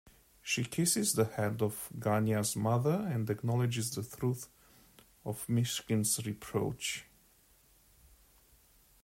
She kisses the hand of Ganya's mother and acknowledges the truth of Myshkin's reproach.